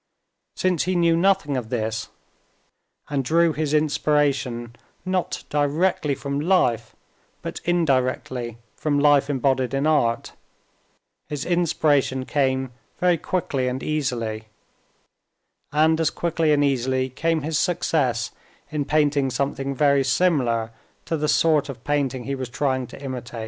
Since he knew nothing of this, and drew his inspiration, not directly from life, but indirectly from life embodied in art, his inspiration came very quickly and easily, and as quickly and easily came his success in painting something very similar to the sort of painting he was trying to imitate.